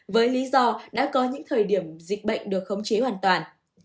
với lý do đã có những thời điểm dịch bệnh được khống chế hoàn toàn